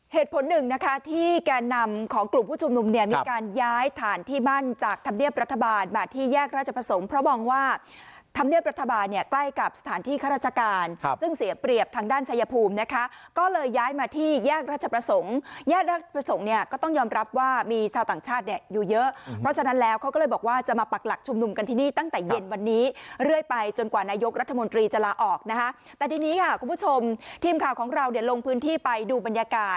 เหตุผลหนึ่งนะคะที่แกนำของกลุ่มผู้ชมนุมเนี่ยมีการย้ายฐานที่มั่นจากธรรมเนียบรัฐบาลมาที่แยกราชประสงค์เพราะบอกว่าธรรมเนียบรัฐบาลเนี่ยใกล้กับสถานที่ข้าราชการซึ่งเสียเปรียบทางด้านชายภูมินะคะก็เลยย้ายมาที่แยกราชประสงค์แยกราชประสงค์เนี่ยก็ต้องยอมรับว่ามีชาวต่างชาติเนี่ย